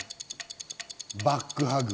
バックハグ。